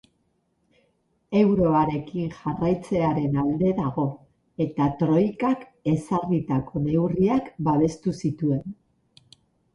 Euroarekin jarraitzearen alde dago, eta troikak ezarritako neurriak babestu zituen.